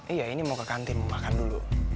iya ini mau ke kantin mau makan dulu